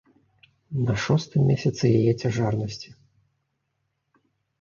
На шостым месяцы яе цяжарнасці.